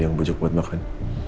yang bujuk buat makan